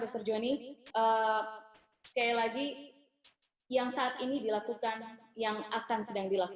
dr joni sekali lagi yang saat ini dilakukan yang akan sedang dilakukan